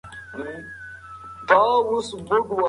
ملا باید ډېر ستړی وي.